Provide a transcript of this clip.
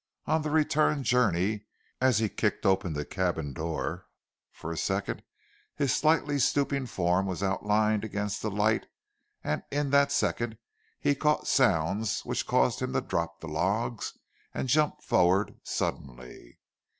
On the return journey, as he kicked open the cabin door, for a second his slightly stooping form was outlined against the light and in that second he caught sounds which caused him to drop the logs and to jump forward, suddenly.